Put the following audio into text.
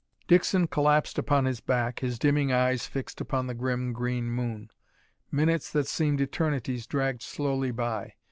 Dixon collapsed upon his back, his dimming eyes fixed upon the grim green moon. Minutes that seemed eternities dragged slowly by.